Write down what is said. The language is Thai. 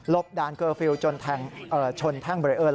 ลบด่านเคอร์ฟิลล์จนชนแท่งบริเออร์